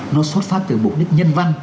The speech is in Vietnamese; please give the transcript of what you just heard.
nó xuất phát từ mục đích nhân văn